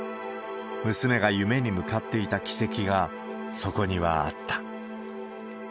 娘が夢に向かっていた軌跡がそこにはあった。